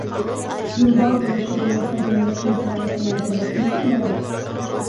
Билбау көрәше буйынса донъя чемпионатына әҙерлек нисек бара?